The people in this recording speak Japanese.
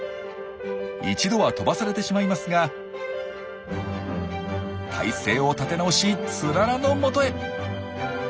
一度は飛ばされてしまいますが体勢を立て直しツララのもとへ。